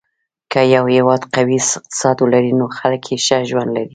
که یو هېواد قوي اقتصاد ولري، نو خلک یې ښه ژوند لري.